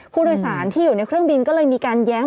ผู้โดยสารที่อยู่ในเครื่องบินก็เลยมีการแย้ม